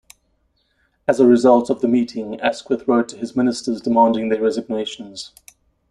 As a result of the meeting Asquith wrote to his ministers demanding their resignations.